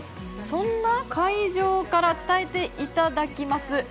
そんな会場から伝えていただきます。